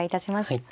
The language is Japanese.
はい。